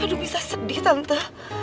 aduh bisa sedih tante